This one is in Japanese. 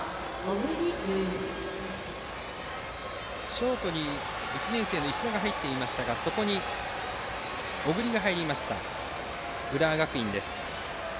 ショートに１年生の石田が入っていましたがそこに小栗が入りました浦和学院。